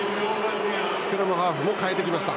スクラムハーフも代えてきました。